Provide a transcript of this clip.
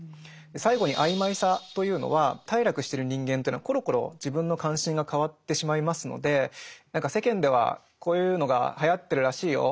最後に「曖昧さ」というのは頽落してる人間というのはコロコロ自分の関心が変わってしまいますので「何か世間ではこういうのがはやってるらしいよ。